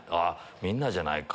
みんなじゃないか。